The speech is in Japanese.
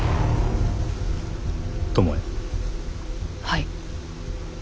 はい。